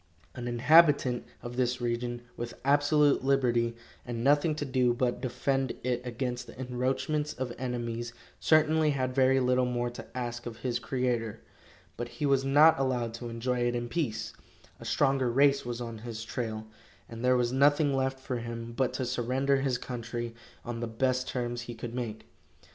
An inhabitant of this region, with absolute liberty, and nothing to do but defend it against the encroachments of enemies, certainly had very little more to ask of his Creator. But he was not allowed to enjoy it in peace. A stronger race was on his trail, and there was nothing left for him but to surrender his country on the best terms he could make.